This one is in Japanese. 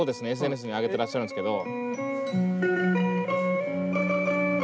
ＳＮＳに上げてらっしゃるんですけど。